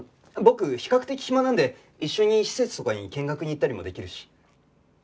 僕比較的暇なんで一緒に施設とかに見学に行ったりもできるし。